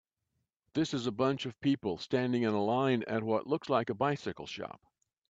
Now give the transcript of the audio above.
This is a bunch of people standing in line at what looks like a bicycle shop.